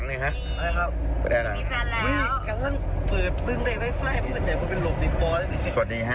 แน่นไหนพวกนี้หลบติดต่อได้ไหม